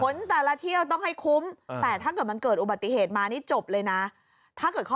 แต่ละเที่ยวต้องให้คุ้มแต่ถ้าเกิดมันเกิดอุบัติเหตุมานี่จบเลยนะถ้าเกิดเขา